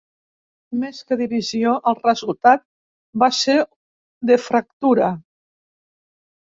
Més que divisió, el resultat va ser de fractura.